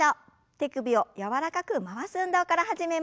手首を柔らかく回す運動から始めます。